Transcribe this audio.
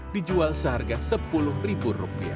dijual seharga rp sepuluh